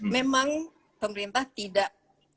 memang pemerintah tidak